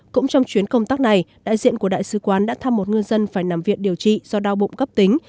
cũng trong chuyến công tác này đại diện của đại sứ quán đã thăm một ngư dân phải nằm viện điều trị do đau bụng cấp tính